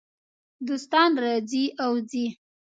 دوستان راځي او ځي .